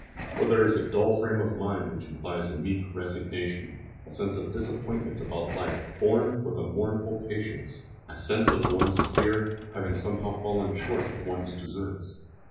Or there is a dull frame of mind which implies a meek resignation, a sense of disappointment about life, borne with a mournful patience, a sense of one's sphere having somehow fallen short of one's deserts.